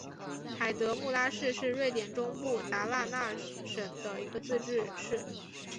海德穆拉市是瑞典中部达拉纳省的一个自治市。